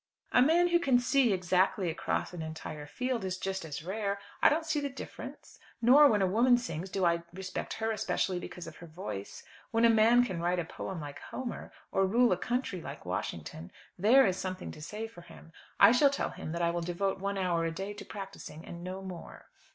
"A man who can see exactly across an entire field is just as rare. I don't see the difference. Nor when a woman sings do I respect her especially because of her voice. When a man can write a poem like Homer, or rule a country like Washington, there is something to say for him. I shall tell him that I will devote one hour a day to practising, and no more."